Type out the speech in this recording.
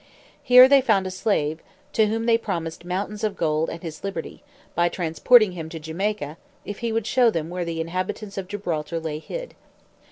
Here they found a slave, to whom they promised mountains of gold and his liberty, by transporting him to Jamaica, if he would show them where the inhabitants of Gibraltar lay hid.